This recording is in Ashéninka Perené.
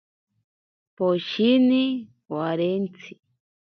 Poshini warentsi.